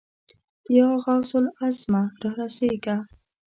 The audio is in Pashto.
يا غوث الاعظمه! را رسېږه.